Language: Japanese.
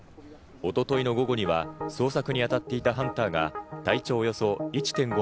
おとといの午後には捜索にあたっていたハンターが体長